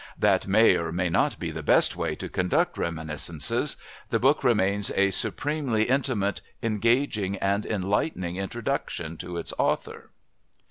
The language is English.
That may or may not be the best way to conduct reminiscences; the book remains a supremely intimate, engaging and enlightening introduction to its author.